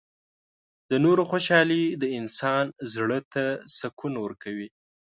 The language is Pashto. • د نورو خوشحالي د انسان زړۀ ته سکون ورکوي.